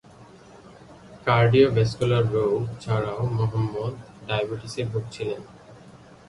Cardiovascular রোগ ছাড়াও মোহাম্মদ ডায়াবেটিসে ভুগছিলেন।